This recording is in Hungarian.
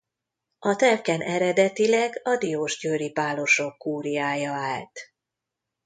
A telken eredetileg a diósgyőri pálosok kúriája állt.